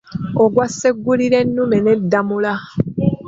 Ogwa Ssegulirennume ne Ddamula.